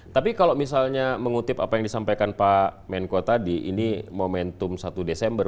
tapi kalau misalnya mengutip apa yang disampaikan pak menko tadi ini momentum satu desember